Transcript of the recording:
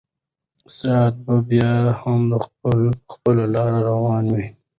ساعت به بیا هم په خپله لاره روان وي.